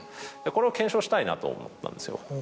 これを検証したいなと思ったんですよ。